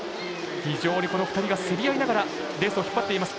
この２人が競り合いながらレースを引っ張っています。